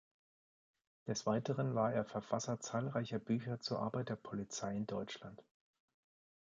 Des Weiteren war er Verfasser zahlreicher Bücher zur Arbeit der Polizei in Deutschland.